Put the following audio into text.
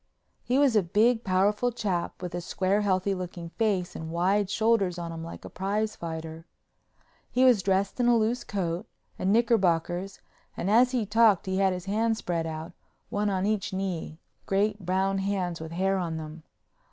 He was a big, powerful chap, with a square, healthy looking face and wide shoulders on him like a prize fighter. He was dressed in a loose coat and knickerbockers and as he talked he had his hands spread out, one on each knee, great brown hands with hair on them.